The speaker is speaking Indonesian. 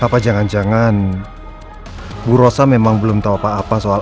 apa jangan jangan bu rosa memang belum tahu apa apa soal